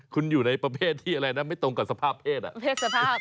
คุณอยู่ในประเภทที่อะไรนะไม่ตรงกับสภาพเพศสภาพ